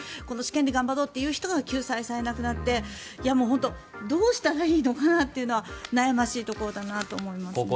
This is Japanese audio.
この試験で頑張ろうという人が救済されなくなってどうしたらいいのかなってのは悩ましいところだなと思います。